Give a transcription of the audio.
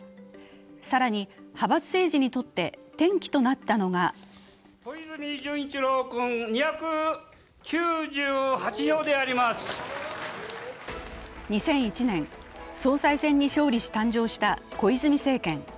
更に、派閥政治にとって転機となったのが２００１年、総裁選に勝利し誕生した小泉政権。